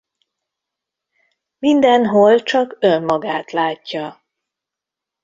Mindenhol csak Önmagát látja.